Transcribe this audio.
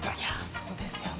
そうですよね。